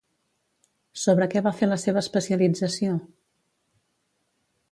Sobre què va fer la seva especialització?